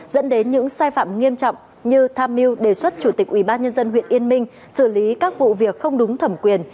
dẫn đến những sai phạm nghiêm trọng như tham mưu đề xuất chủ tịch ubnd huyện yên minh xử lý các vụ việc không đúng thẩm quyền